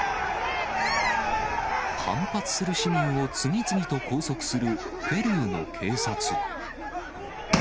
反発する市民を次々と拘束するペルーの警察。